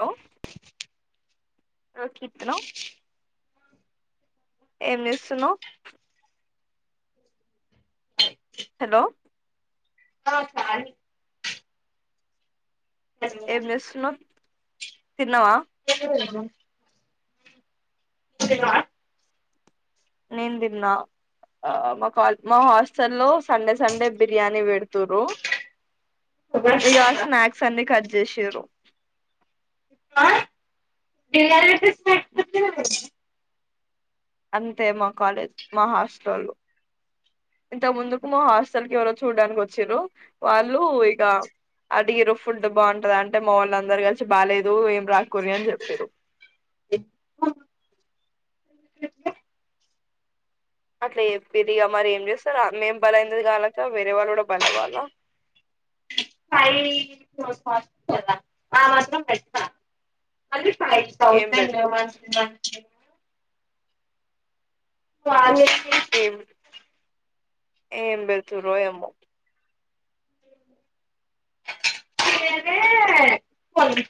hello రకీతన ఏమిస్తును hello ఆ సాల ఏమస్తున్నా తిన్నవా లేధు తినవా నేను తిన్న మా మా హాస్టల్లో సండే సండే బిర్యానీ పెడుతారు ఇక స్నక్స్ అన్ని కడ్ జేషిరు [unintelligible] అంతే మా కాలేజ్ మా హాస్ట్రలు ఇంతకు ముందుకు మా హాస్టల్ కెవరో చూడ్డానికి ఒచ్చిరు వాళ్ళు ఇక అడిగిరు ఫుడ్ బాగుంటది అంటే మా వాళ్ళ అందరు కలిసి బాలేేదు ఏం రాకురి అని జెపిడ్రు అట్లే యెపెరిగా మరి ఏం చేస్తారు మేం బలయినది కాలక వేరే వాళ్ళు కూడా బల వాలా ఆ మాత్రం పెత ౌస ఏం పె [unintelligible] వాళ్లే ఏం ఏం బె తూ రో ఏమో ే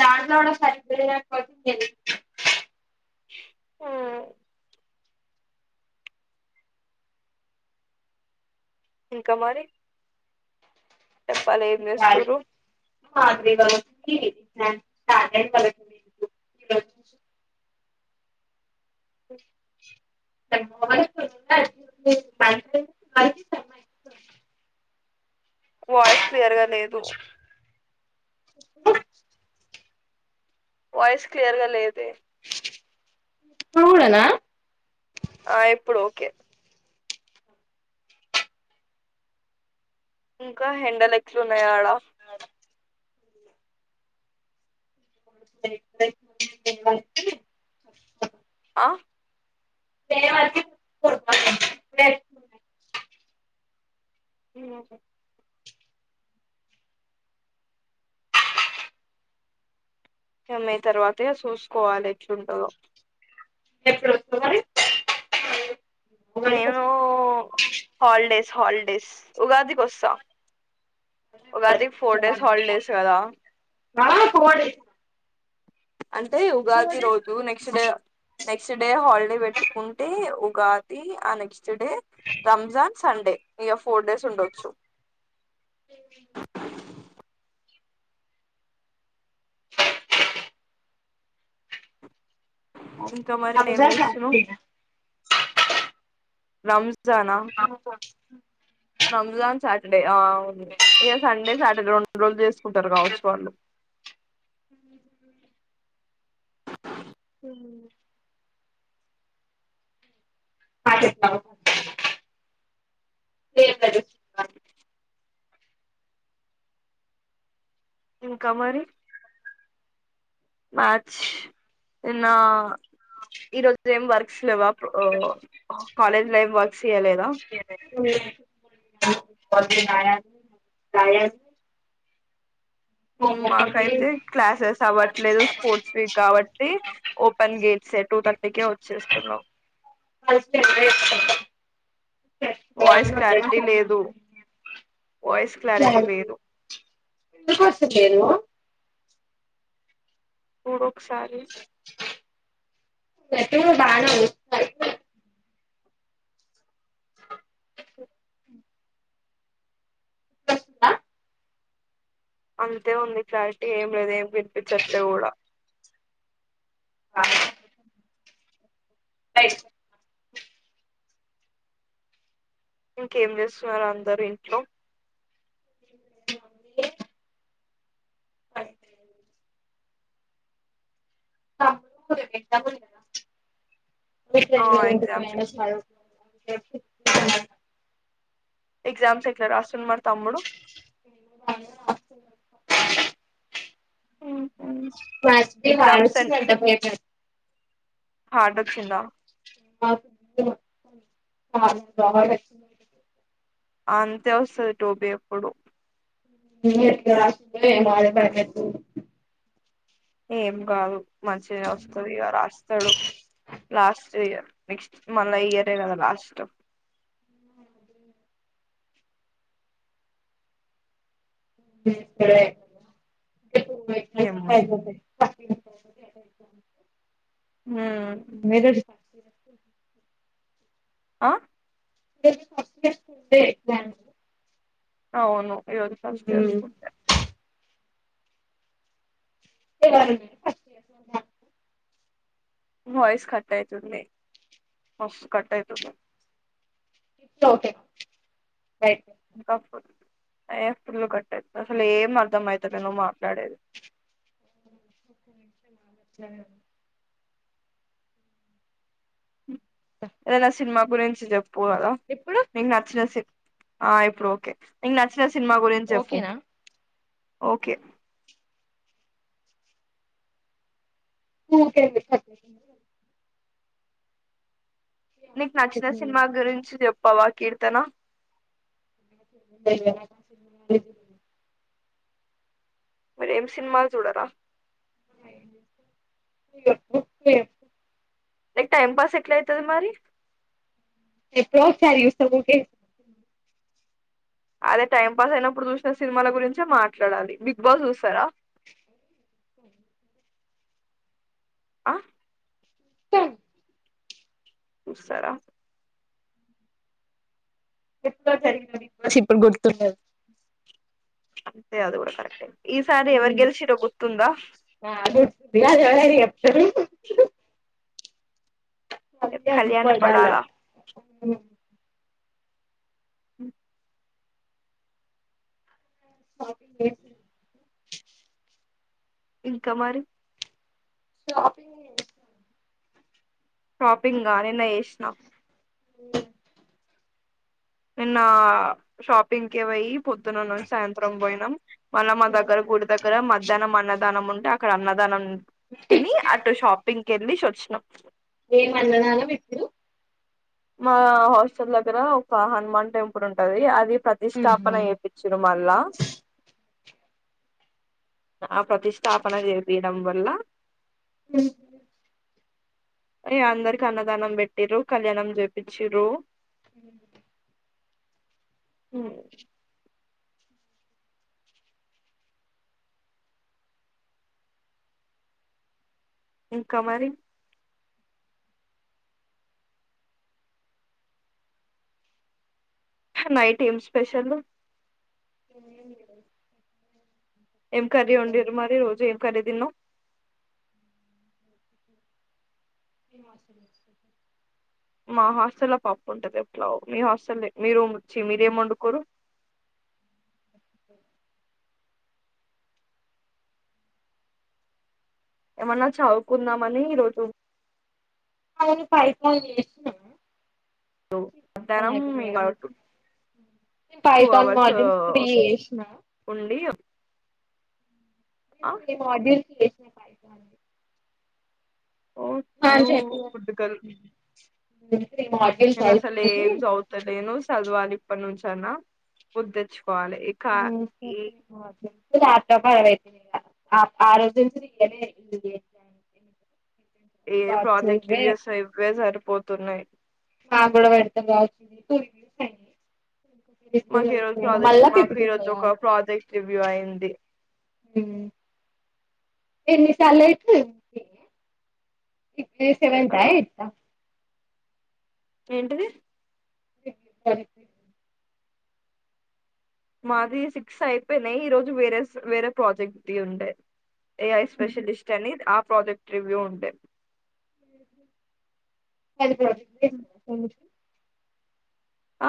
నాండోడ సరిప ప [unintelligible] ఆ ఇంకా మరి చెప్పాలా ఏం చేస్తునారు మా వ [unintelligible] మ మ మంచి స [unintelligible] వాయిస్ క్లియర్ గా లేదు [unintelligible] వయిస్ క్లియర్ గా లేదు దె కూడనా ఆ ఇప్పుడు ఓకే ఇంకా ఎండల్ ఎట్లునయ్ ఆడ ఆ ఇ ఉ ఎమఐ తర్వాతే చూసుకోవాలిచ్చుండదు మరి అరి నేను హాలిడేస్ హాలిడేస్ ఉగాది కోస్తా హాలిడేస్ కదా ఆ ఫోర్ డేస్ అంటే ఫోర్ ఉగాది డేస్ రోజు next day next day holiday పెట్టుకుంటే ఉ గాది ఆ నెక్స్ట్ డే రంజాన్ సండే ఇక ఫోర్ డేస్ ఉండొచ్చు ఇంకా మరి ఏం రంజాన్ కా చేస్తున్నావ్ [inaudible] రంజ్ ఆపు పో రంజాన్ సాటర్డే అవును ఇక సండే సాటర్డే రెండు రోజులు చేసుకుంటారు కావచ్చు వాళ్ళు [inaudible] రంజాన్ ఇంకా మరి మాథ్స్నిన్న ఈరోజు ఏం వర్క్స్ లేవా కాలేజ్లో ఎమ్ వర్క్స్ ఇయలేదా [unintelligible] ఉమ్ మకేతే క్లాసెస్ అవ్వట్లేదు స్పోర్ట్స్ వీక్ కాబట్టి ఓపెన్ గేట్స్ టూ థర్టీకే వచ్చేస్తున్నాం వాయిస్ క్లారిటీ లేదు వయిస్ క్లారిటీ లేదు వస్తులేధు మూడుఒకసారి పెట్రోల్ బానీ వాస్తేయ్ ఇప్పుడు వస్తుందా అంతే ఉంది క్లారిటీ ఏం లేదు ఏం వినిపించట్లే కూడా రైట్ ఇంకేం చేస్తున్నారు అందరు ఇంట్లో ఎగ్జామ్స్ ఉంధిగా ఆ ఎగ్జామ్స్ [unintelligible] ఎగ్జామ్స్ ఎట్లా రాస్తుండు మరి తమ్ముడు చదువుకోని ఉ ఉమ్ ఫస్ట్ డే బాగా వచ్చింది అంట పేపర్ హార్డ్ వచ్చిందా [unintelligible] అంతే వస్తుంది టోబి ఎప్పుడు [unintelligible] ఏం కాదు మంచిగా వస్తుంది ఇ రాస్తాడు లాస్ట్ ఇయర్ నెక్స్ట్ మళ ఇయర్ ఏ కదా లాస్ట్ ఉమ్ సరే ఇంకా టు ఎగ్జామ్స్ ఏమో అయిపోతాయ్ [unintelligible] ఎగ్జామ్స్ అ హసి ఆ ఈరోజు ఫస్ట్ బ్యాచ్ కి ఉండే ఎగ్జామ్స్ అవును అయ్యోజ ఫస్ట్ ఇయర్స్కుంటే ఎవరు ఫస్ట్ ఇయర్స్ వయిస్ కట్టాయితుంది మస్త్ కట్ ఐతుంది ఇప్పుడు ఓకే రైట్ ఇంకా ఫుల్ ఏ ఫుల్లు కట్టేది అసలు ఏం అర్థం అవుతాలే నువ్వు మాట్లాడేది సరే ఇదనా సినిమా గురెంచి జప్ పోవల ఇప్పుడు మీకు నచ్చిన స ఆ ఇప్పుడు ఓకే సినిమా గు చెఫ ఓకేనా ఓకే త తెప్ప నీకు నచ్చిన సినిమా గురించి చెప్పవ కీర్తన మరి ఏం సినిమాలు చూడరా లక్ టైమ్ పాస్ ఎట్లా అవుతుది మరి ప్రోచార్యయుస్త కే అదే టైం పాస్ అయినప్పుడు చూసిన సినిమాల గురించే మాట్లాడాలి బిగ్ బాస్ చూస్తారా ఆ స ఉసారా ఎప్పుడు సర ఇప్పుడు గుర్తుండదు అంతే అదు కూడా కరెక్ట్ ఏ ఉమ్ నాకొస్తుంది అది ఎవరైనా చెప్తారు కళ్యాణ్ పడాలా అ హ పి ఇంకా మరి షాపింగ్ షాపింగ్ గానీన్న వేసినా అ నిన్న షాపింగ్ కవయి పొద్దునన్న సాయంత్రం పోయినాం మళ్ళ మా దగ గుడి దగ్గర మధ్యాహ్నం మ అన్నదానం ఉంటే అక్కడ అన్నదనం తిని ఆటో షాపింగ్కి గెళ్లి చ వచ్చినం ఏ అనడాగా విట్లు మా హాస్టల్ దగ్గర ఒక హనుమాన్ టెంపుల్ ఉంటది అది ప్రతి స్థాపించల ఆహా చేపించును మల్ళా ఆ ప్రతిష్టాపన చేపయడం వల్ల అ అయ అందరి కన్నదానం పెట్టటిరు కళ్యాణం పిచ్చి రో హ హ ఇంకా మరి నైట్ ఏమ్ స్పెషల్ ఏమిని ఈరోజు మర్చిపోయిన ఏం కర్రీ వండిరు మరి ఈరోజు ఏం కర్రీ తిన్నావ్ ఏం హాస్పిటల్ కి వచ్చినావ్ మా హాస్టల్లో పప్పు ఉంటది ఎట్లా మీ హాస్టల్ దే మీ రూమ్ వచ్చి మీరేం ఒండుకుర్రు ఏమన్నా చావుకున్నామని ఈరోజు ఐ అన్ని పడిపై మధ్యాహ్నం ఆ ఇగ నేను two Python hours models three జేసిన ఉండి త్రీ ఆ త్రీ మాడ్యుల్ త్రి ఇది పైతాన్ ది ఓ యూ గుడ్ గర్ల్ థీ నేను అసలు ఏం చదువుతలేను చదవాలి ఇప్పటి నుంచి అన్నా బుద్ తెచ్ హమ్ [inaudible] ఇగ డబ్బా అరవై ఆ ఆ రోజూ నుంచి [unintelligible] ఏ రికార్డ్స్ ప్రాజెక్ట్ ఇవే రివ్యూస్ ఇవే సరిపోతున్నాయి మా కూడా పెడితే బాగుంటుంది [inaudible] మాకు ఈరోజు ప్రాజెక్ట్ మాకు ఈరోజు ఒక చేయాలి ప్రాజెక్ట్ రివ్యూ అయ్యింది హ్మ్ ఎన్నిసార్లు యెట్నా ఇంతే ఇప్పుడు అంతే సేవెంత కదా ఎయిట్త ఏంటిది [unintelligible] మాది సిక్స్ అయిపెనాయ్ ఈరోజు వేరేస్ వేరే ప్రాజెక్ట్ ది ఉండే ఏ ఐ స్పెషలిస్ట్ అని ఆపు ప్రాజెక్ట్ రివ్యూ ఉంటే హెల్ప్ లాజిక్ ఈజ్ హమ్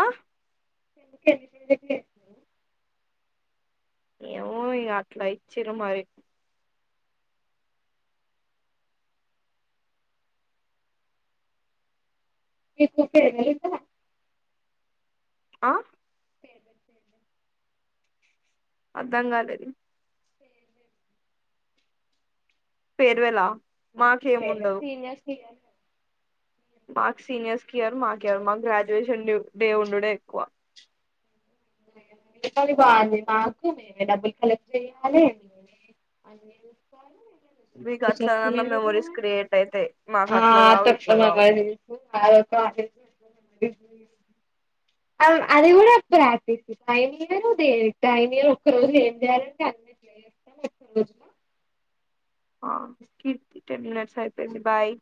ఆ [inaudible] ఏవో ఇక అట్లా ఇచ్చిర్రు మరి మీకు తేలూస ఉంటాయా ఆ ఫేవరెట్ పేస్ట్ అర్థం కాలేది ఫేర్వెల్ల ఆ ఫేర్వెల్ సీనియర్స్ కి మార్క్స్ సీనియర్స్ కి ఇయ్యరు మాకు ఇయ్యరు మాకు గ్రాడ్యుయేషన్ డే ఒక డే ఉండుడే ఎక్కువ పనిపోవాలి మాకు నే డబ్బులు కలెక్ట్ చెయాలి నే మీకు అట్లన్న మెమరీస్ క్రియేట్ అయితాయి మాకు ఆ అట్ల కావు తక్కువ ఇట్లా కావు [inaudible] అమ్మ అది కూడా ప్రాథ టైన్ర్ టైన్లు ఒక్క రోజులు ఏం చేయాలంటే అన్న చేస్తాం ఒక్క రోజులు ఆ కీర్తి టెన్ మినిట్స్ అయిపోయింది బాయ్